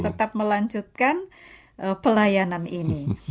tetap melanjutkan pelayanan ini